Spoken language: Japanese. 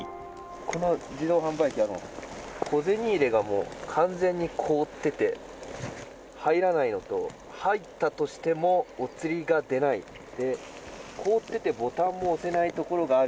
この自動販売機小銭入れが完全に凍っていて入らないのと、入ったとしてもお釣りが出ないので凍っててボタンも押せないところがある。